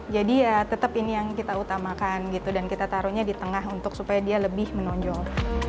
jadi ya tetap ini yang kita utamakan gitu dan kita taruhnya di tengah untuk supaya dia lebih menonjol